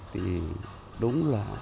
thì đúng là